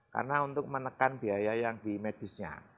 karena untuk menekan biaya yang di medisnya